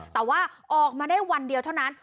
แต่ว่าออกมาได้วันเดียวเท่านั้น